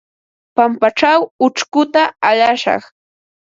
Pampaćhaw ućhkuta alashaq.